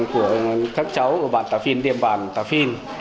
của các cháu của bản tà phìn điểm bản tà phìn